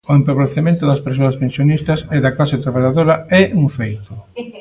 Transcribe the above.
O empobrecemento das persoas pensionistas e da clase traballadora é un feito.